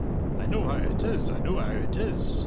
"I know how it is, I know how it is!"